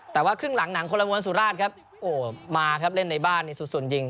แต่ว่าครึ่งหลังหนังคนละมวลสุราชครับโอ้มาครับเล่นในบ้านนี่สุดส่วนยิง